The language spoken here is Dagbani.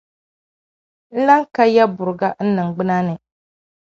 n lan ka yaburiga n niŋgbuŋ ni.